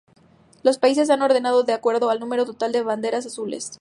Los países se han ordenado de acuerdo al número total de banderas azules.